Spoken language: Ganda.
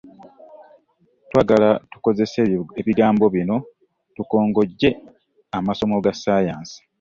Twagala tukozese ebigambo bino tukongojje amasomo ga ssaayansi.